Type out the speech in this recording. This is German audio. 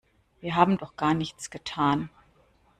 Wir haben doch gar nichts getan.